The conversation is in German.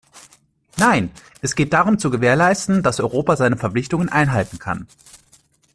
Nein, es geht darum zu gewährleisten, dass Europa seine Verpflichtungen einhalten kann.